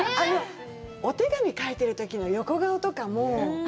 お手紙書いてるときの横顔とかも。